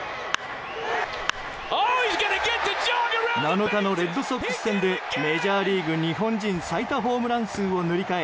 ７日のレッドソックス戦でメジャーリーグ日本人最多ホームラン数を塗り替え